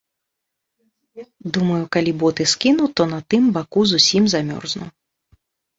Думаю, калі боты скіну, то на тым баку зусім замёрзну.